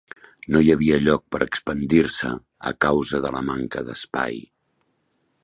No hi havia lloc per expandir-se a causa de la manca d'espai.